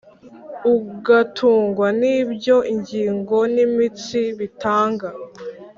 ugatungwa n’ibyo ingingo n’imitsi bitanga